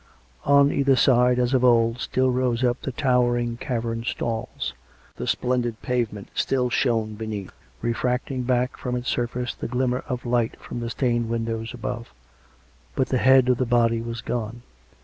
On either side, as of old, still rose up the towering carven stalls ; the splendid pavement still shone beneath, refracting back from its surface the glimmer of light from the stained windows above; but the head of the body was gone.